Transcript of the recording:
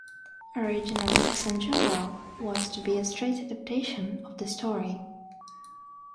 Originally "Sanjuro" was to be a straight adaptation of the story.